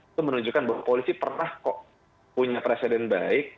itu menunjukkan bahwa polisi pernah kok punya presiden baik